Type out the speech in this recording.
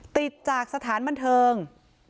ติดจากสถานบันเทิง